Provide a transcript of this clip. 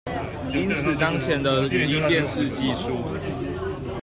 因此當前的語音辨識技術